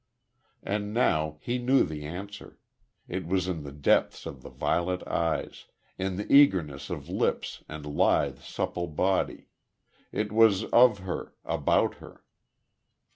And now he knew the answer. It was in the depths of the violet eyes in the eagerness of lips and lithe, supple body it was of her about her.